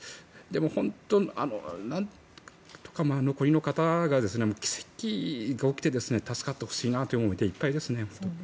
でも、本当になんとか残りの方が奇跡が起きて助かってほしいなという思いでいっぱいです。